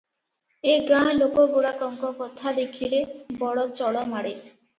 ଏ ଗାଁ ଲୋକଗୁଡାକଙ୍କ କଥା ଦେଖିଲେ ବଡ ଚଳ ମାଡେ ।